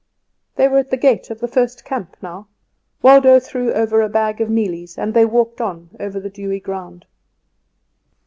They were at the gate of the first camp now. Waldo threw over a bag of mealies, and they walked on over the dewy ground.